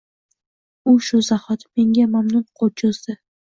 U shu zahoti menga mamnun qo`l cho`zdi